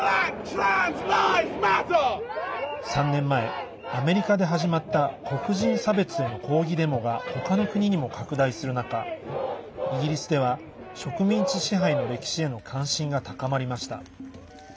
３年前、アメリカで始まった黒人差別への抗議デモが他の国にも拡大する中イギリスでは、植民地支配の歴史への関心が高まりました。